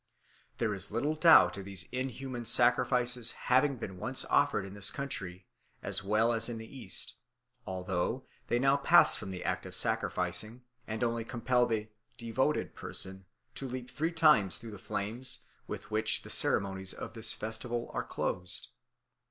There is little doubt of these inhuman sacrifices having been once offered in this country, as well as in the east, although they now pass from the act of sacrificing, and only compel the devoted person to leap three times through the flames; with which the ceremonies of this festival are closed."